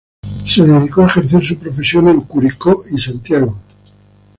Se dedicó a ejercer su profesión en Curicó y Santiago.